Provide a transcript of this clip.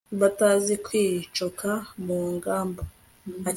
batazi kwicoka mu ngamba